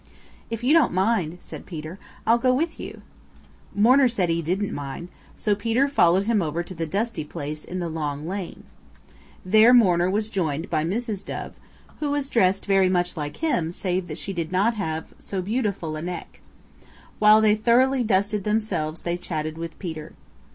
"If you don't mind," said Peter, "I'll go with you." Mourner said he didn't mind, so Peter followed him over to the dusty place in the long lane. There Mourner was joined by Mrs. Dove, who was dressed very much like him save that she did not have so beautiful a neck. While they thoroughly dusted themselves they chatted with Peter.